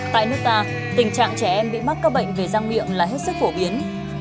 tại nước ta tình trạng trẻ em bị mắc các bệnh về răng miệng là hết sức phổ biến